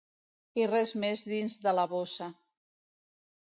I res més dins de la bossa.